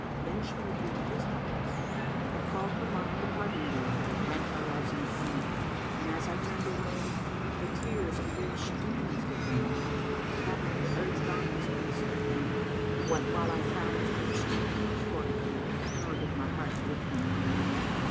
Then she repeated these couplets, "I call to mind the parting day that rent our loves in twain, When, as I turned away, the tears in very streams did rain. The cameleer urged on his beasts with them, what while I found Nor strength nor fortitude, nor did my heart with me remain.